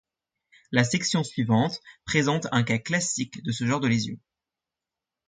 La section suivante présente un cas classique de ce genre de lésion.